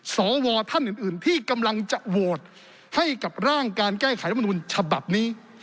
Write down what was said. สวท่านอื่นที่กำลังจะโหวตให้กับร่างการแก้ไขรัฐมนุนฉบับนี้